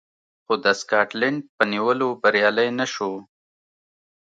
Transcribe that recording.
خو د سکاټلنډ په نیولو بریالی نه شو